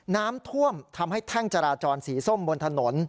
น้ำท่วมทำให้แท่งจราจรสีส้มบนถนน